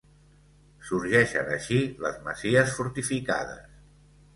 Sorgeixen així les masies fortificades.